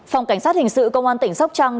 phòng cảnh sát hình sự công an tỉnh sóc trăng